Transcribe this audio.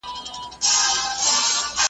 د زده کړې پروسه د نوښت اصل ته اړتیا لري.